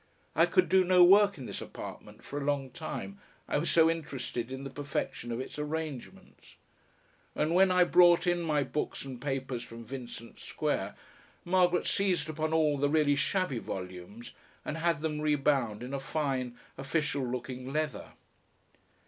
I could do no work in this apartment for a long time, I was so interested in the perfection of its arrangements. And when I brought in my books and papers from Vincent Square, Margaret seized upon all the really shabby volumes and had them re bound in a fine official looking leather.